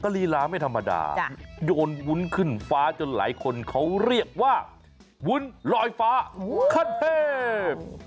ลีลาไม่ธรรมดาโยนวุ้นขึ้นฟ้าจนหลายคนเขาเรียกว่าวุ้นลอยฟ้าขั้นเทพ